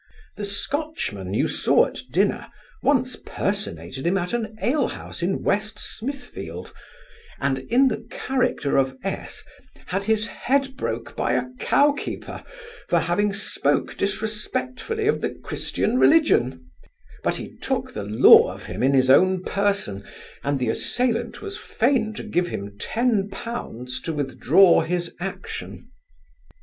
The Scotchman you saw at dinner once personated him at an alehouse in West Smithfield and, in the character of S , had his head broke by a cow keeper, for having spoke disrespectfully of the Christian religion; but he took the law of him in his own person, and the assailant was fain to give him ten pounds to withdraw his action.